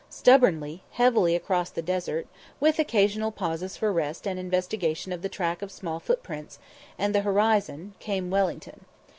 Stubbornly, heavily, across the desert, with occasional pauses for rest and investigation of the track of small footprints, and the horizon, came Wellington.